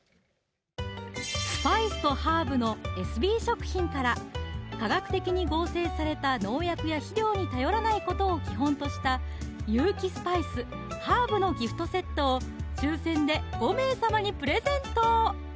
スパイスとハーブのエスビー食品から化学的に合成された農薬や肥料に頼らないことを基本とした有機スパイス・ハーブのギフトセットを抽選で５名様にプレゼント